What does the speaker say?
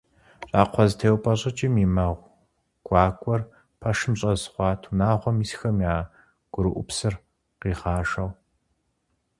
Щӏакхъуэзэтеупӏэщӏыкӏым и мэ гуакӏуэр пэшым щӏэз хъуат, унагъуэм исхэм я гурыӏупсыр къигъажэу.